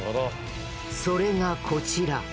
それがこちら。